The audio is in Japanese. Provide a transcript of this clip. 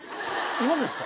今ですか？